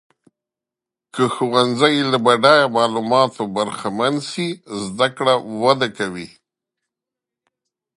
که ښوونځۍ له بډایه معلوماتو برخمن سي، زده کړه وده کوي.